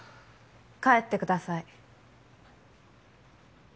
帰ってください